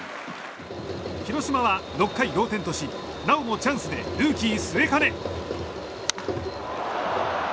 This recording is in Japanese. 広島は６回同点としなおもチャンスでルーキー、末包。